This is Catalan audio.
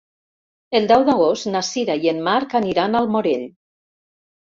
El deu d'agost na Sira i en Marc aniran al Morell.